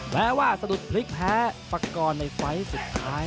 แม้ว่าสะดุดพลิกแพ้ปากรในไฟล์สุดท้าย